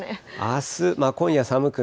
あす、今夜寒く